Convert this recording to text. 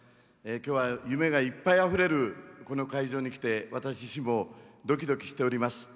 きょうは夢がいっぱいあふれるこの会場に来て、私自身もどきどきしております。